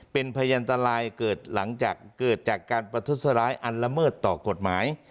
เป็นพยันตรายเกิดหลังจากเกิดจากการประทุษร้ายอันละเมิดต่อกฎหมาย